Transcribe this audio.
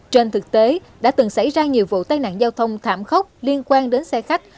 trên thực tế đã từng xảy ra nhiều vụ tai nạn giao thông thảm khốc liên quan đến xe khách